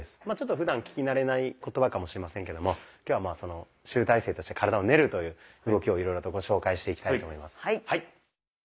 まあちょっとふだん聞き慣れない言葉かもしれませんけども今日は集大成として「体を練る」という動きをいろいろとご紹介していきたいと思います。